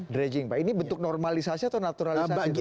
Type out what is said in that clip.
dredging pak ini bentuk normalisasi atau naturalisasi